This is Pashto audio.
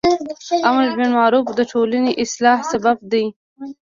امر بالمعروف د ټولنی اصلاح سبب دی.